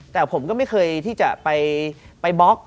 แต่ผมก็ไม่เคยที่จะไปบล็อก